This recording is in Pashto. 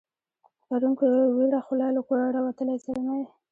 پرون په ویړه خوله له کوره راوتلی زلمی